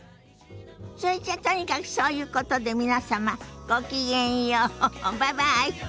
それじゃとにかくそういうことで皆様ごきげんようバイバイ。